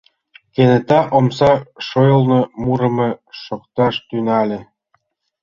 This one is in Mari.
Кенета омса шойылно мурымо шокташ тӱҥале: